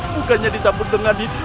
bukannya disambut dengan itu